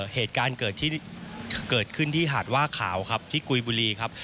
เหตุการณ์เกิดขึ้นที่หาดว่าขาวครับที่กุยบุรีครับ